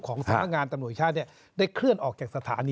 สำนักงานตำรวจชาติได้เคลื่อนออกจากสถานี